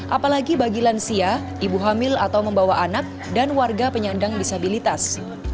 apalagi bagi lansia ibu hamil atau membawa anak dan warga penyandang disabilitas